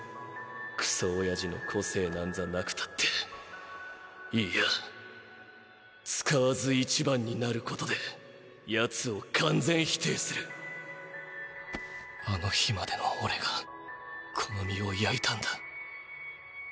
クソ親父の個性なんざなくたっていや使わず「一番になる」ことで奴を完全否定するあの日までの俺がこの身を焼いたんだ